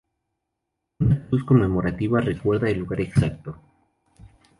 Una cruz conmemorativa recuerda el lugar exacto.